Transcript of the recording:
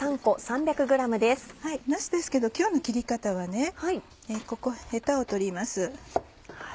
なすですけど今日の切り方はここヘタを取ります。